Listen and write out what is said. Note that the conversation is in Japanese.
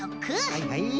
はいはい。